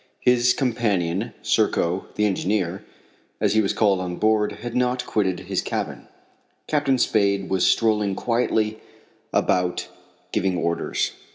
His companion, Serko the engineer, as he was called on board, had not quitted his cabin. Captain Spade was strolling quietly about giving orders.